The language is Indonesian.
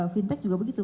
fintech juga begitu